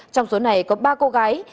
trong số này có ba cô gái